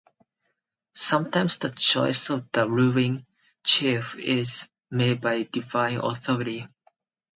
Sometimes the choice of the ruling chief is made by divine authority.